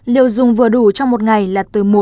liều dùng vừa đủ trong một ngày là từ một đến hai ngày